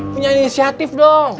punya inisiatif dong